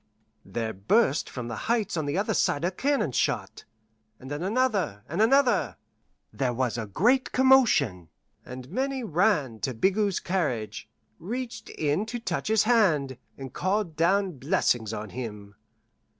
There burst from the Heights on the other side a cannon shot, and then another and another. There was a great commotion, and many ran to Bigot's carriage, reached in to touch his hand, and called down blessings on him.